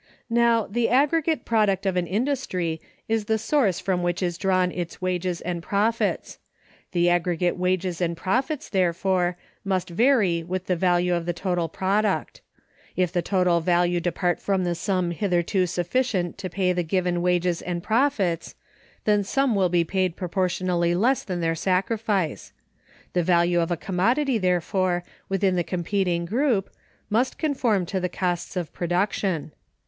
Now, the aggregate product of an industry is the source from which is drawn its wages and profits: the aggregate wages and profits, therefore, must vary with the value of the total product. If the total value depart from the sum hitherto sufficient to pay the given wages and profits, then some will be paid proportionally less than their sacrifice. The value of a commodity, therefore, within the competing group, must conform to the costs of production.